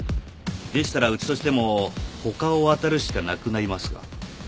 でしたらうちとしても他を当たるしかなくなりますが。